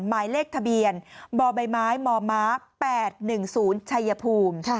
หมายเลขทะเบียนบใบไม้มม๘๑๐ชัยภูมิ